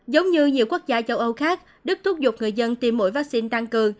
giống như nhiều quốc gia châu âu khác đức thúc giục người dân tiêm mũi vaccine tăng cường